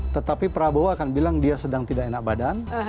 tetapi prabowo akan bilang dia sedang tidak enak badan